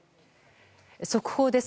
速報です。